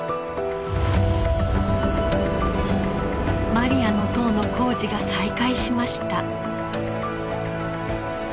マリアの塔の工事が再開しました。